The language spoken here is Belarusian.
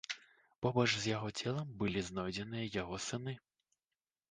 Побач з яго целам былі знойдзеныя яго сыны.